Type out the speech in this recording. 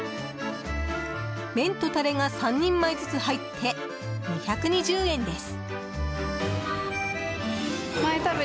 麺とタレが３人前ずつ入って２２０円です。